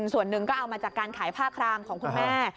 ส่วนหนึ่งก็เอามาจากการขายผ้าครามของคุณแม่